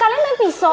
kalian main pisau